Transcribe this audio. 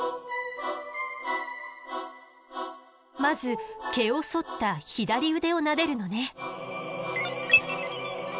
まず毛をそった左腕をなでるのね。